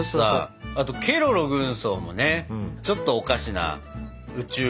あとケロロ軍曹もねちょっとおかしな宇宙人。